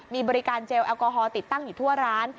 มีบริการเจลแอลกอฮอลติดตั้งอยู่ทั่วร้าน